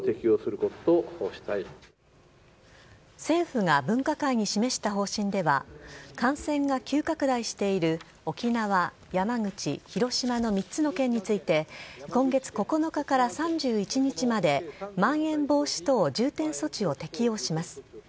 政府が分科会に示した方針では感染が急拡大している沖縄、山口、広島の３つの県について今月９日から３１日までまん延防止等重点措置を適用します。